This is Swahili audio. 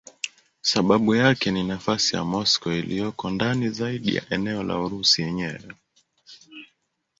Sababu yake ni nafasi ya Moscow iliyoko ndani zaidi ya eneo la Urusi yenyewe.